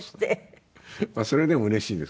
それでもうれしいですね。